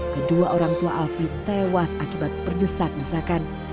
kedua orang tua alfie tewas akibat perdesak desakan